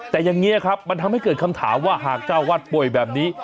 แต่อย่างนี้ครับมันทำให้เกิดคำถามว่าหากเจ้าวัดป่วยแบบนี้